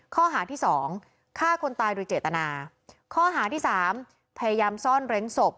ข้อหาที่สองฆ่าคนตายโดยเจตนาข้อหาที่สามพยายามซ่อนเร้นศพ